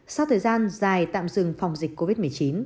sau thời gian dài tạm dừng phòng dịch covid một mươi chín